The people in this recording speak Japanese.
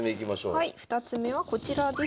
はい２つ目はこちらです。